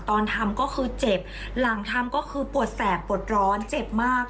ตอนทำก็คือเจ็บหลังทำก็คือปวดแสบปวดร้อนเจ็บมาก